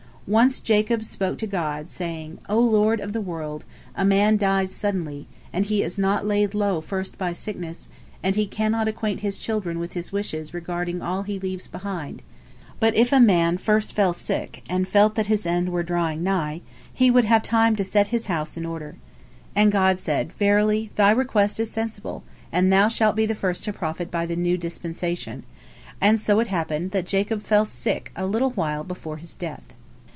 Once Jacob spoke to God, saying, "O Lord of the world, a man dies suddenly, and he is not laid low first by sickness, and he cannot acquaint his children with his wishes regarding all he leaves behind. But if a man first fell sick, and felt that his end were drawing nigh, he would have time to set his house in order." And God said, "Verily, thy request is sensible, and thou shalt be the first to profit by the new dispensation," and so it happened that Jacob fell sick a little while before his death.